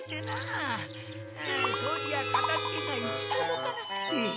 そうじやかたづけが行きとどかなくて。